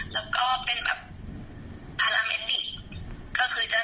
แล้วก็เป็นแบบพาราเมตติก็คือเจ้าหน้าที่ช่วยแบบเกี่ยวกับ